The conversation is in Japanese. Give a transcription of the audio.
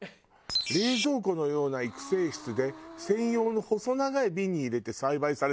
「冷蔵庫のような育成室で専用の細長いビンに入れて栽培されたもの」なんだって。